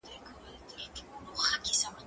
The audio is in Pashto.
زه اجازه لرم چي مڼې وخورم